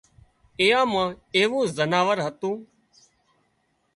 ايئان مان ايوون زناور هتون